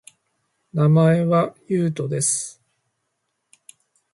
名前は、ゆうとです